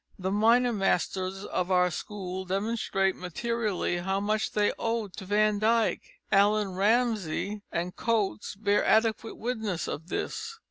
The minor masters of our school demonstrate materially how much they owed to Van Dyck. Allan Ramsay and Cotes bear adequate witness of this.